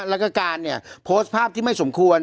แล้วก็การเนี่ยโพสต์ภาพที่ไม่สมควร